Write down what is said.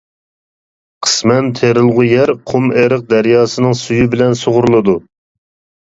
قىسمەن تېرىلغۇ يەر قۇمئېرىق دەرياسىنىڭ سۈيى بىلەن سۇغىرىلىدۇ.